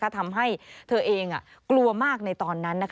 ทำให้เธอเองกลัวมากในตอนนั้น